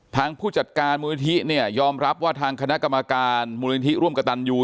ผู้จัดการมูลนิธิเนี่ยยอมรับว่าทางคณะกรรมการมูลนิธิร่วมกระตันยู